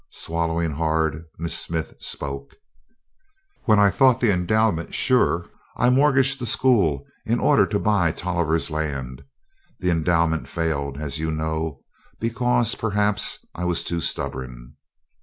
Swallowing hard, Miss Smith spoke. "When I thought the endowment sure, I mortgaged the school in order to buy Tolliver's land. The endowment failed, as you know, because perhaps I was too stubborn."